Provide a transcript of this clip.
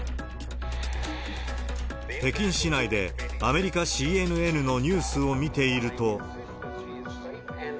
北京市内で、アメリカＣＮＮのニュースを見ていると。